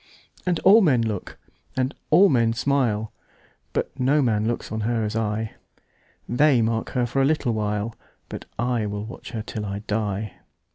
And all men look, and all men smile, But no man looks on her as I:They mark her for a little while, But I will watch her till I die.